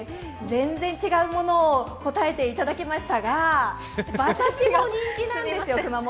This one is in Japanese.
全然違うものを答えていただきましたけど、馬刺しも人気なんですよ、熊本。